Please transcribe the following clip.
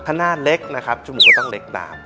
ถ้าหน้าเล็กนะครับจมูกก็ต้องเล็กตาม